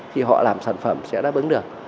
thì họ làm sản phẩm sẽ đáp ứng được